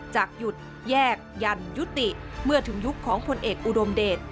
จากหยุดแยกยันยุติเมื่อถึงยุคของผลเอกอุดมเดช